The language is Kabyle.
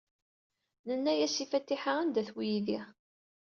Nenna-as i Fatiḥa anda-t weydi.